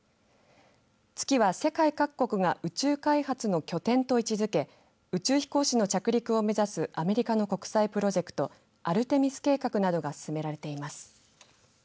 月は世界各国が宇宙開発の拠点と位置づけ宇宙飛行士の着陸を目指すアメリカの国際プロジェクトアルテミス計画などが進められています。